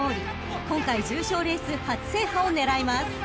［今回重賞レース初制覇を狙います］